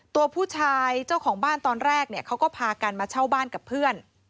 ตัวผู้ชายเจ้าของบ้านตอนแรกเนี่ยเขาก็พากันมาเช่าบ้านกับเพื่อน